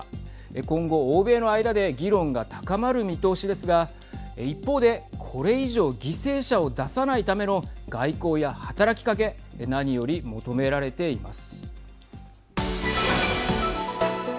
今後、欧米の間で議論が高まる見通しですが一方でこれ以上犠牲者を出さないための外交や働きかけ何より求められています。